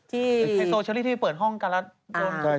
ไฮโซเชอรี่ที่ไปเปิดห้องกันแล้ว